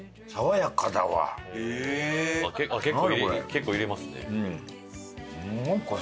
結構入れますね。